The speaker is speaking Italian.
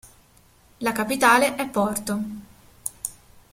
La capitale è Porto.